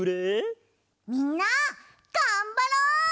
みんながんばろう！